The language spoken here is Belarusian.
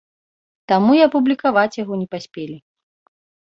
Таму і апублікаваць яго не паспелі.